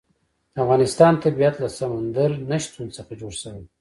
د افغانستان طبیعت له سمندر نه شتون څخه جوړ شوی دی.